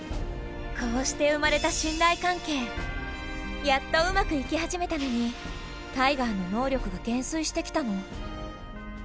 こうして生まれたやっとうまくいき始めたのにタイガーの能力が減衰してきたの。